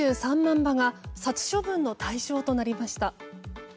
羽が殺処分の対象になりました。